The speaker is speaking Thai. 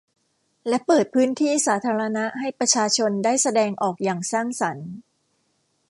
และเปิดพื้นที่สาธารณะให้ประชาชนได้แสดงออกอย่างสร้างสรรค์